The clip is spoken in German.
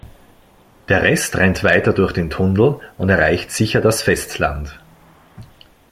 Der Rest rennt weiter durch den Tunnel und erreicht sicher das Festland.